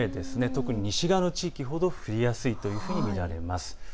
特に西側の地域ほど降りやすいというふうに見られます。